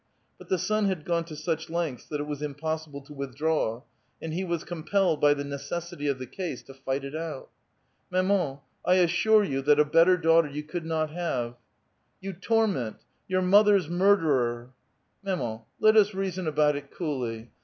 But the son had gone to such lensfths that it was impossible to withdraw, and he was compelled by the necessity of the case to fight it out. " Maman^ I assure yon that a better daughter you could not have." " You torment ! your mother's murderer !"" Mamauy let us reason about it coolly.